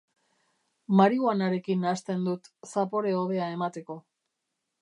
Marihuanarekin nahasten dut, zapore hobea emateko.